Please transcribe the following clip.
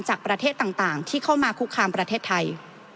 จากประเทศต่างที่เข้ามาคุกคามประเทศไทย